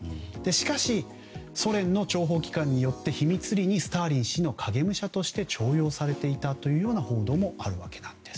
しかし、ソ連の諜報機関によって秘密裏にスターリン氏の影武者として重用されていたという報道もあるわけなんです。